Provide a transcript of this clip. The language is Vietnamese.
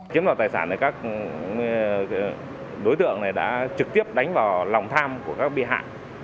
chiếm đoạt tài sản này các đối tượng này đã trực tiếp đánh vào lòng tham của các bị hại